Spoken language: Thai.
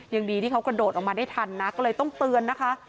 ยังดีที่เขากระโดดออกมาได้ทันนะ